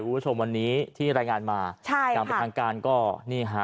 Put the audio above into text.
คุณผู้ชมวันนี้ที่รายงานมาใช่อย่างเป็นทางการก็นี่ฮะ